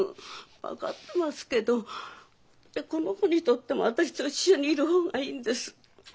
分かってますけどこの子にとっても私と一緒にいる方がいいんです。